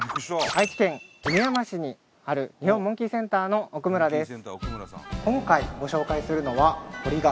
愛知県犬山市にある日本モンキーセンターの奥村です